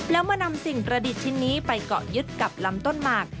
แล้วมานำสิ่งประดิษฐ์ชิ้นนี้ไปเกาะยึดกับลำต้นหมาก